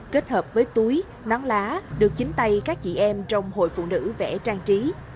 kết hợp với túi nón lá được chính tay các chị em trong hội phụ nữ vẽ trang trí